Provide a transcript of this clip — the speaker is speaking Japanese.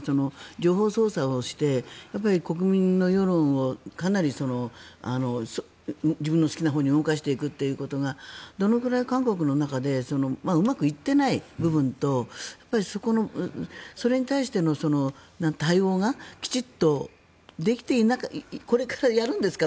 情報操作をして国民の世論をかなり自分の好きなほうに動かしていくということがどのくらい韓国の中でうまくいっていない部分とそれに対しての対応がきちんとできていないこれからやるんですか？